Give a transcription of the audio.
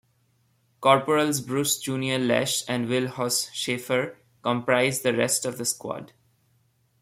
Corporals Bruce "Junior" Lesh and Will "Hoss" Schafer comprise the rest of the squad.